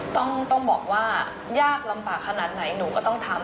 ต้องบอกว่ายากลำบากขนาดไหนหนูก็ต้องทำ